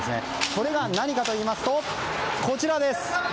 これが何かといいますとこちらです。